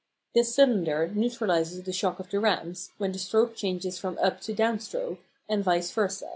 This cylinder neutralises the shock of the rams, when the stroke changes from up to downstroke, and vice versâ.